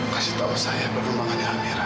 kasih tahu saya perkembangannya merah